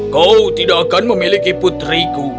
kau tidak akan memiliki putriku